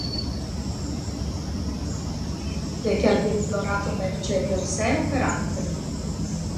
Tuttavia mai si disse che abbia implorato mercé per sé o per altri.